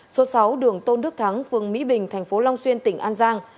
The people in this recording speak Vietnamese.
số sáu đường tôn đức thắng phường mỹ bình tp long xuyên tỉnh an giang